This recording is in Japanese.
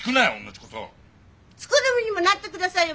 作る身にもなってくださいよ。